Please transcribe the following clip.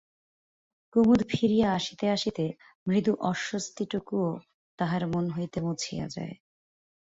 কুমুদ ফিরিয়া আসিতে আসিতে মৃদু অশাস্তিটুকুও তাহার মন হইতে মুছিয়া যায়।